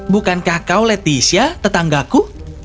bukankah kau leticia tetanggaku